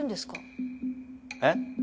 えっ？